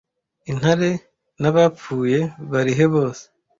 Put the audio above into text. intare n'abapfuye bari he bose